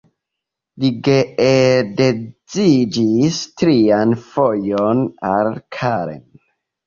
Li geedziĝis trian fojon, al Karen.